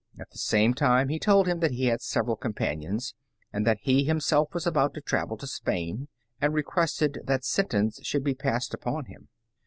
At the same time he told him that he had several companions, and that he himself was about to travel to Spain, and requested that sentence should be passed upon him.